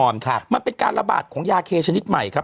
มันเป็นการระบาดของยาเคชนิดใหม่ครับ